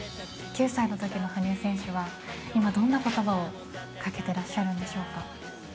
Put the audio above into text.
９歳のときの羽生選手は今、どんなことばをかけてらっしゃるんでしょうか。